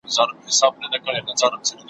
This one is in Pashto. مړاوي سوي رژېدلي د نېستۍ کندي ته تللي `